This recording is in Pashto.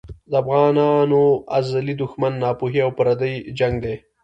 د افغانانو ازلي دښمن ناپوهي او پردی جنګ دی.